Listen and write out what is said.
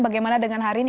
bagaimana dengan hari ini